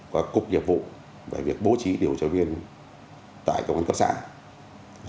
qua cục nhiệm vụ về việc bố trí điều tra viên tại công an cấp xã